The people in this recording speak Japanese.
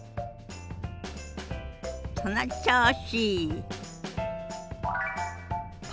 その調子。